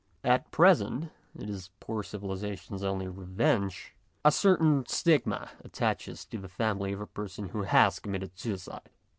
At present it is poor civilization's only revenge a certain stigma attaches to the family of a person who has committed suicide.